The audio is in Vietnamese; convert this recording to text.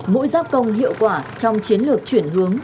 mỗi gia công hiệu quả trong chiến lược chuyển hướng